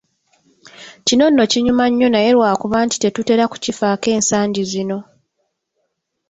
Kino nno kinyuma nnyo naye lwa kuba nti tetutera kukifaako ensangi zino.